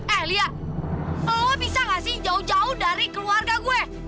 eh lia oh bisa gak sih jauh jauh dari keluarga gue